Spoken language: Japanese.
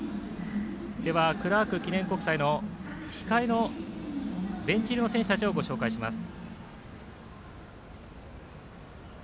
クラーク記念国際の控えのベンチ入りの選手たちをご紹介します。